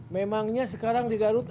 memangnya sekarang di garut